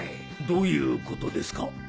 どういうことですか？